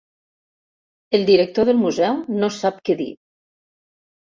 El director del museu no sap què dir.